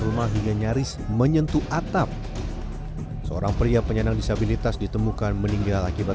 rumah hingga nyaris menyentuh atap seorang pria penyandang disabilitas ditemukan meninggal akibat